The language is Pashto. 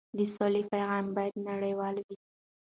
د سولې پیغام باید نړیوال وي.